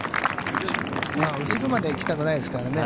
後ろまでは行きたくないですからね。